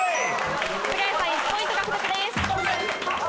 すがやさん１ポイント獲得です。